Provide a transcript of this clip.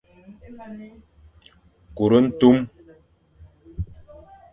Kur ntum,